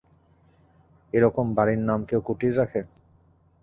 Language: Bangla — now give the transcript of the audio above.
এরকম বাড়ির নাম কেউ কুটির রাখে?